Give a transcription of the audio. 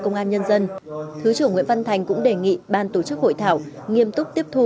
công an nhân dân thứ trưởng nguyễn văn thành cũng đề nghị ban tổ chức hội thảo nghiêm túc tiếp thu